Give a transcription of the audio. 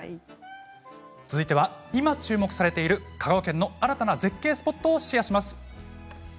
続いては今注目されている香川県の新たな絶景スポットをシェアします。